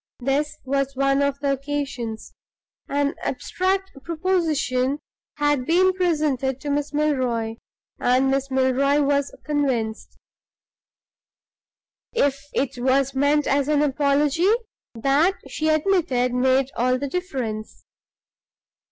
This was one of the occasions. An abstract proposition had been presented to Miss Milroy, and Miss Milroy was convinced. If it was meant as an apology, that, she admitted, made all the difference.